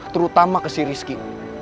terutama ke si rizky